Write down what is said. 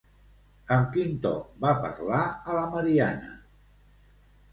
Amb quin to va parlar a la Marianna?